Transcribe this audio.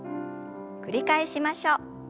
繰り返しましょう。